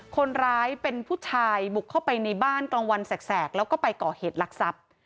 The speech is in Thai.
คนร้ายเป็นผู้ชายบุกเข้าไปในบ้านกลางวันแสกแล้วก็ไปก่อเหตุลักษัพ